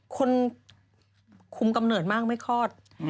คนคุมกำเนิดมากไม่คลอด